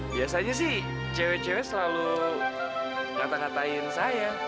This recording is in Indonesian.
biasanya sih cewek cewek selalu kata katain saya